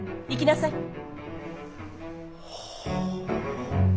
行きなさい。